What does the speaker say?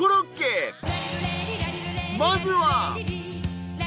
［まずは］